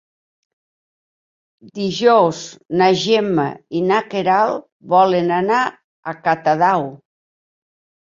Dijous na Gemma i na Queralt volen anar a Catadau.